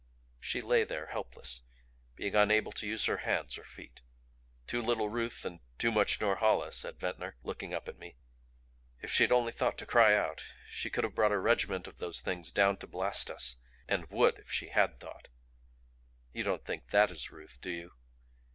She lay there, helpless, being unable to use her hands or feet. "Too little Ruth, and too much Norhala," said Ventnor, looking up at me. "If she'd only thought to cry out! She could have brought a regiment of those Things down to blast us. And would if she HAD thought. You don't think THAT is Ruth, do you?"